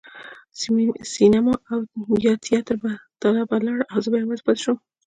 سینما او یا تیاتر ته به لاړل او زه به یوازې پاتې شوم.